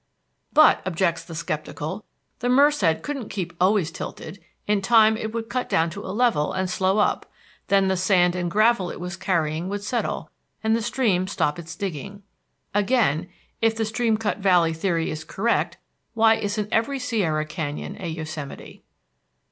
But, objects the sceptical, the Merced couldn't keep always tilted; in time it would cut down to a level and slow up; then the sand and gravel it was carrying would settle, and the stream stop its digging. Again, if the stream cut valley theory is correct, why isn't every Sierra canyon a Yosemite?